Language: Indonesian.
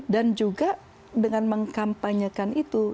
dan juga dengan mengkampanyekan itu